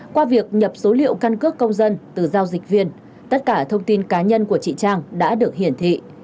qua việc nhập số liệu căn cước công dân từ giao dịch viên tất cả thông tin cá nhân của chị trang đã được hiển thị